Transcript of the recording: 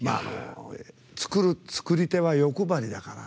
作り手は欲張りだから。